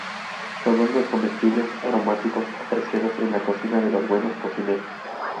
Son hongos comestibles, aromáticos, apreciados en la cocina de los buenos cocineros.